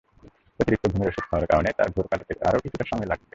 অতিরিক্ত ঘুমের ওষুধ খাওয়ার কারণে তাঁর ঘোর কাটতে আরও কিছুটা সময় লাগবে।